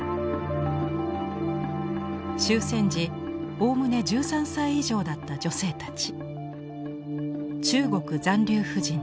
終戦時おおむね１３歳以上だった女性たち。